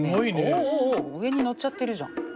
おおおお上に乗っちゃってるじゃん。